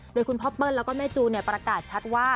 โดยคุณพ่อเปิ้ลแล้วก็แม่จูนประกาศชัดว่า